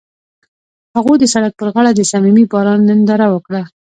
هغوی د سړک پر غاړه د صمیمي باران ننداره وکړه.